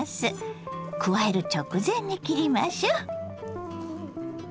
加える直前に切りましょ。